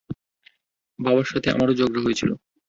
বাবার সাথে আমারও ঝগড়া হয়েছিলো।